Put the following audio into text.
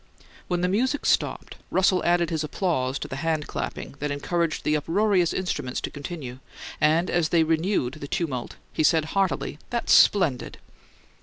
When the music stopped, Russell added his applause to the hand clapping that encouraged the uproarious instruments to continue, and as they renewed the tumult, he said heartily, "That's splendid!"